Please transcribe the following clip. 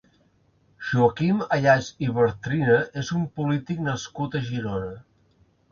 Joaquim Ayats i Bartrina és un polític nascut a Girona.